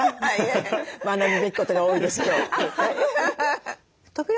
学ぶべきことが多いです今日。